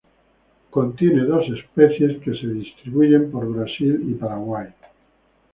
Contiene dos especies, que distribuyen por Brasil y Paraguay.